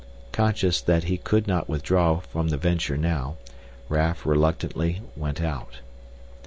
Conscious that he could not withdraw from the venture now, Raf reluctantly went out.